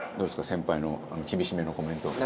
先輩の厳しめのコメントは。